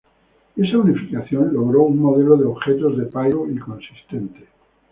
Esa unificación logró un modelo de objetos de Python puro y consistente.